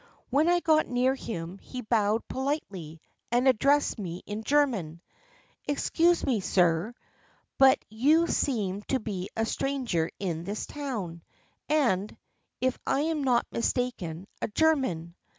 When I got near him he bowed politely, and addressed me in German, 'Excuse me, sir, but you seem to be a stranger in this town, and, if I am not mistaken, a German.